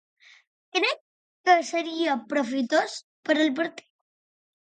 Què creu que seria profitós per al partit?